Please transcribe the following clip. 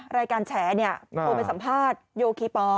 รายการแฉนี่โดยเป็นสัมภาษณ์โยคีพอ